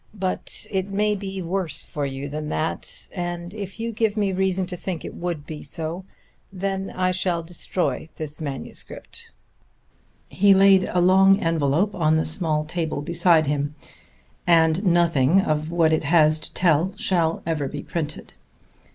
But it may be worse for you than that; and if you give me reason to think it would be so, then I shall destroy this manuscript" he laid a long envelop on the small table beside him "and nothing of what it has to tell shall ever be printed.